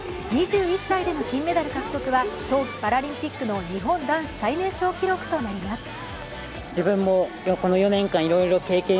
２１歳での金メダル獲得は冬季パラリンピックの日本男子最年少記録となります。